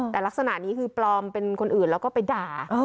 แต่ลักษณะนี้คือปลอมเป็นคนอื่นแล้วก็ไปด่า